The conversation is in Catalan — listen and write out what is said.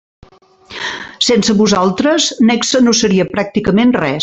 Sense vosaltres Nexe no seria pràcticament res.